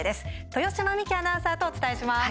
豊島実季アナウンサーとお伝えします。